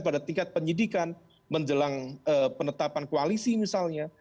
pada tingkat penyidikan menjelang penetapan koalisi misalnya